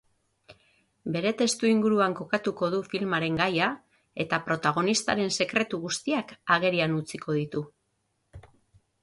Bere testuinguruan kokatuko du filmaren gaia eta protagonistaren sekretu guztiak agerian utziko ditu.